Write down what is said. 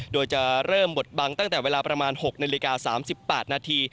โดยจะเริ่มบดบังตั้งแต่เวลาประมาณ๖นาฬิกา๓๘นาที